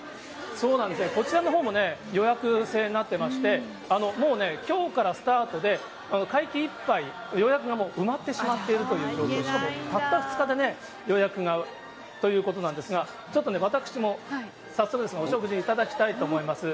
そうなんですね、こちらのほうもね、予約制になってまして、もうね、きょうからスタートで、会期いっぱい、予約がもう埋まってしまっているという状況、しかもたった２日でね、予約がということなんですが、ちょっとね、私も早速ですがお食事頂きたいと思います。